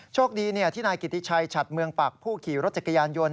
โชคดีที่นายกิติชัยฉัดเมืองปักผู้ขี่รถจักรยานยนต์